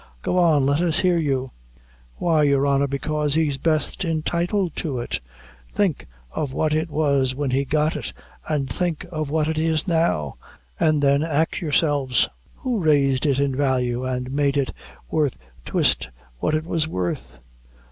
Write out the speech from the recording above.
Go on! Let us hear you!" "Why, your honor, bekaise he's best entitled to it. Think of what it was when he got it, an' think of what it is now, and then ax yourselves 'Who raised it in value an' made it worth twiste what it was worth?'